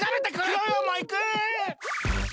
クヨヨもいく！